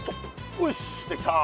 よしできた！